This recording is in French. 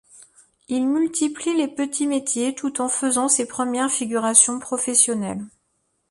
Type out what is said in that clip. Il multiplie les petits métiers tout en faisant ses premières figurations professionnelles.